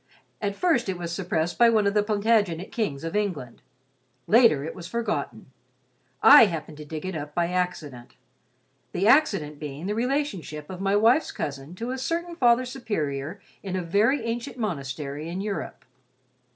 At first it was suppressed by one of the Plantagenet kings of England. Later it was forgotten. I happened to dig it up by accident. The accident being the relationship of my wife's cousin to a certain Father Superior in a very ancient monastery in Europe.